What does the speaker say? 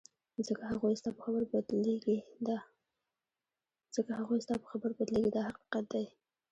ځکه هغوی ستا په خبرو بدلیږي دا حقیقت دی.